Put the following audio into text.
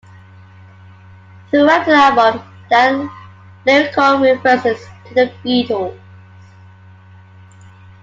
Throughout the album there are lyrical references to The Beatles.